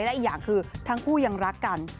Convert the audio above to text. และอีกอย่างคือทั้งคู่ยังรักกัน